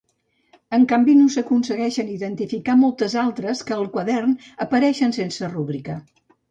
En canvi no s'aconsegueixen identificar moltes altres que al quadern apareixen sense rúbrica.